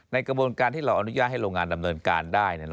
กระบวนการที่เราอนุญาตให้โรงงานดำเนินการได้